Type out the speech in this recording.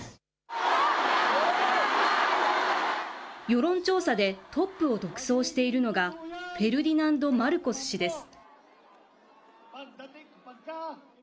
世論調査でトップを独走しているのが、フェルディナンド・マルコス氏です。